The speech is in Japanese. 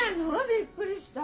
びっくりした。